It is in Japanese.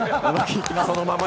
そのままで。